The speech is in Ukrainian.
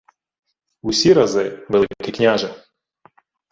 — Усі рази, Великий княже.